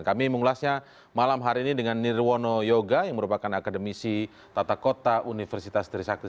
kami mengulasnya malam hari ini dengan nirwono yoga yang merupakan akademisi tata kota universitas trisakti